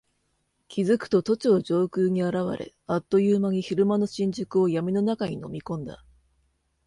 気付くと都庁上空に現れ、あっという間に昼間の新宿を闇の中に飲み込んだ。